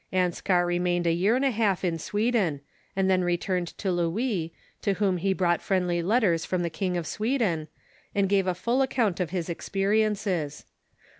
Anskar remained a year and a half in Sweden, and then returned to Louis, to whom he brought friendly letters from the King of Sweden, and gave a full account of his experiences.